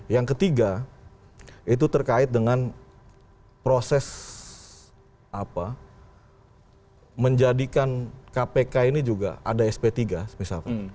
yang ketiga itu terkait dengan proses apa menjadikan kpk ini juga ada sp tiga misalkan